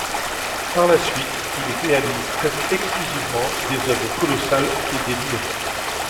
Par la suite il réalise presque exclusivement des œuvres colossales et des lions.